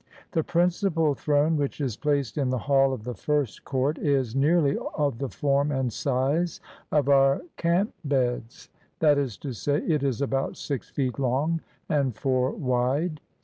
The principal throne, which is placed in the hall of the first court, is nearly of the form and size of our camp beds; that is to say, it is about six feet long and four wide.